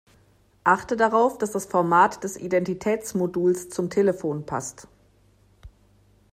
Achte darauf, dass das Format des Identitätsmoduls zum Telefon passt.